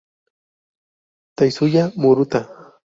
Tatsuya Murata